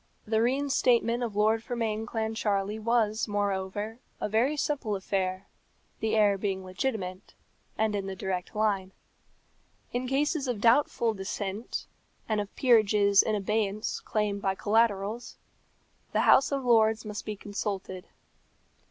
The reinstatement of Lord Fermain Clancharlie was, moreover, a very simple affair, the heir being legitimate, and in the direct line. In cases of doubtful descent, and of peerages in abeyance claimed by collaterals, the House of Lords must be consulted.